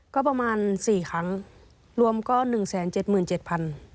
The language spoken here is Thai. ก็ประมาณสี่ครั้งรวมก็หนึ่งแสนเจ็ดหมื่นเจ็ดพัน